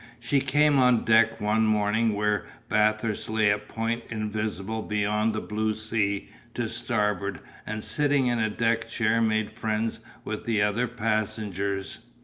She came on deck one morning where Bathurst lay a point invisible beyond the blue sea to starboard and sitting in a deck chair made friends with the other passengers.